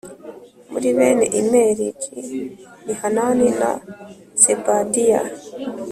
Muri bene Imeri g ni Hanani na Zebadiya